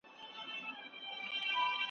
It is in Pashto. دا اپلېکېشن پانګوال حیران کړي دي.